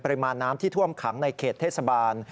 ปริมาณน้ำที่ท่วมขังในเขตเทศบาล